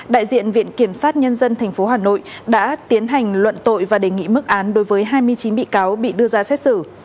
đại diện viện kiểm sát nhân dân tp hà nội đã tiến hành luận tội và đề nghị mức án đối với hai mươi chín bị cáo bị đưa ra xét xử